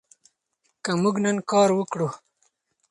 که موږ نن کار وکړو.